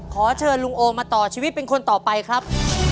ขอเชิญลุงโอมาต่อชีวิตเป็นคนต่อไปครับ